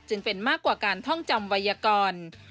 เป็นมากกว่าการท่องจำวัยกร